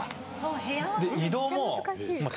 部屋はめっちゃ難しい。